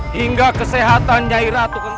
hingga kesehatan nyai ratu kentering